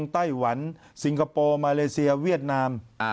ไต้หวันสิงคโปร์มาเลเซียเวียดนาม